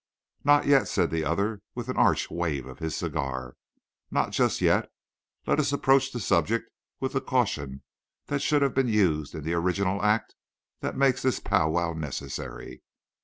"Not yet," said the other, with an arch wave of his cigar, "not just yet. Let us approach the subject with the caution that should have been used in the original act that makes this pow wow necessary.